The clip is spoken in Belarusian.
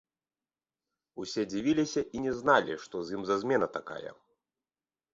Усе дзівіліся і не зналі, што з ім за змена такая.